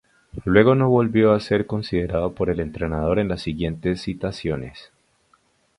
Luego no volvió a ser considerado por el entrenador en las siguientes citaciones.